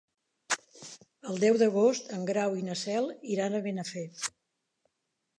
El deu d'agost en Grau i na Cel iran a Benafer.